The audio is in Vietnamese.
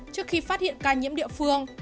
trước khi phát hiện ca nhiễm địa phương